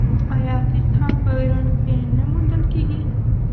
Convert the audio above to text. آیا عقیق هم په ایران کې نه موندل کیږي؟